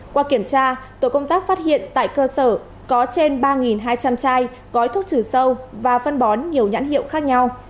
qua kiểm tra tổ công tác phát hiện tại cơ sở có trên ba hai trăm linh chai gói thuốc trừ sâu và phân bón nhiều nhãn hiệu khác nhau